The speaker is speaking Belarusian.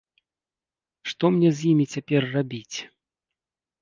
Што мне з імі цяпер рабіць?